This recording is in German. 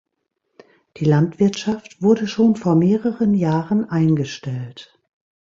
Die Landwirtschaft wurde schon vor mehreren Jahren eingestellt.